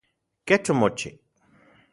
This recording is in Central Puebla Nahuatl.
¿Kech omochi?